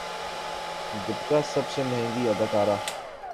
دپیکا سب سے مہنگی اداکارہ